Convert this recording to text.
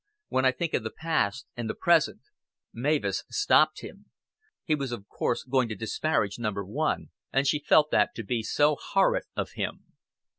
When I think of the past and the present " Mavis stopped him. He was of course going to disparage Number One, and she felt that to be so horrid of him.